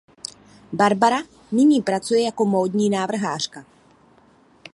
Barbara nyní pracuje jako módní návrhářka.